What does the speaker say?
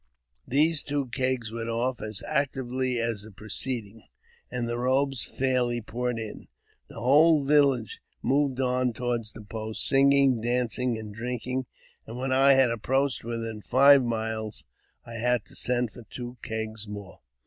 These two kegs went off as actively as the preceding,, and the robes fairly poured in. The whole village moved on toward the post, singing, dancing, and drinking, and when I had approached within five miles, I had to send for two kegte| more.